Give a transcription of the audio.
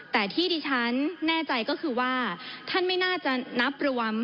แต่ที่ดิฉันแน่ใจก็คือว่าท่านไม่น่าจะนับระวัง